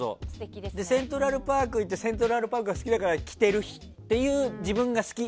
セントラルパーク行ってセントラルパークが好きだから着てるという自分が好き。